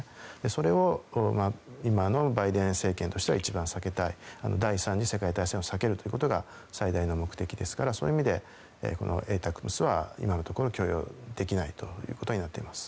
それは、今のバイデン政権としては一番避けたい第３次世界大戦を避けるということが最大の目的ですからそういう意味でＡＴＡＣＭＳは今のところ供与できないということになっています。